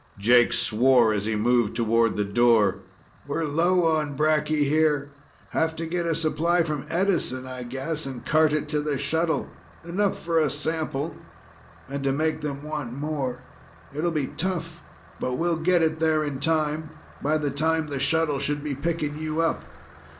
Jake swore as he moved toward the door. "We're low on bracky here. Have to get a supply from Edison, I guess, and cart it to the shuttle. Enough for a sample, and to make them want more. It'll be tough, but we'll get it there in time by the time the shuttle should be picking you up.